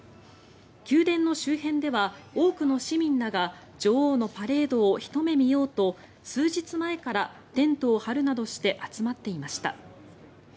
宮殿の周辺では多くの市民らが女王のパレードをひと目見ようと数日前からテントを張るなどして集まっていました。